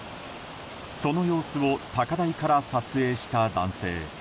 その様子を高台から撮影した男性。